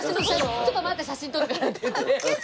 「ちょっと待って写真撮るから！」って言って。